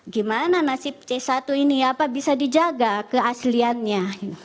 gimana nasib c satu ini apa bisa dijaga keasliannya